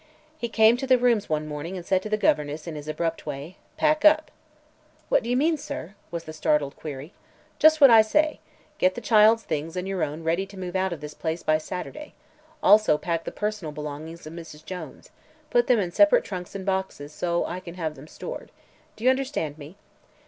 He came to the rooms one morning and said to the governess in his abrupt way: "Pack up." "What do you mean, sir?" was the startled query. "Just what I say. Get the child's things and your own ready to move out of this place by Saturday. Also pack the personal belongings of Mrs. Jones. Put them in separate trunks and boxes, so I can have them stored. Do you understand me?"